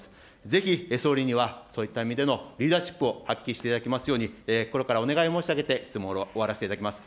ぜひ総理にはそういった意味でのリーダーシップを発揮していただきますように、心からお願いを申し上げて質問を終わらせていただきます。